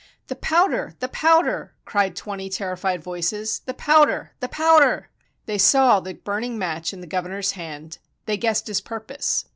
"The powder! the powder!" cried twenty terrified voices; "the powder! the powder!" They saw the burning match in the governor's hand. They guessed his purpose.